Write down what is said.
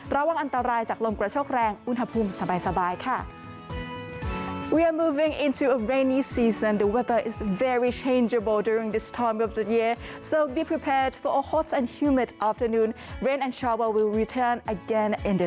ระวังอันตรายจากลมกระโชคแรงอุณหภูมิสบายค่ะ